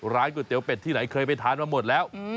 ก๋วยเตี๋เป็ดที่ไหนเคยไปทานมาหมดแล้ว